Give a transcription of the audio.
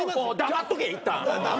黙っとけいったん。